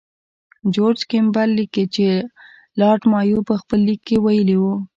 جورج کیمبل لیکي چې لارډ مایو په خپل لیک کې ویلي وو.